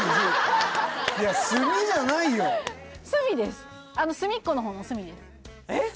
いや「すみ」じゃないよ「すみ」です「隅っこ」の方の「すみ」ですえっ